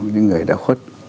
những người đã khuất